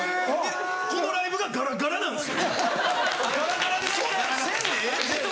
・このライブがガラガラなんですよせんでええって。